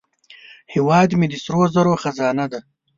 هیواد مې د سرو زرو خزانه ده